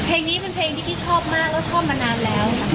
เพราะว่าเพลงนี้เป็นเพลงที่ชอบมากแล้วชอบมานานแล้ว